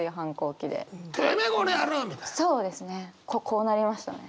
こうなりましたね。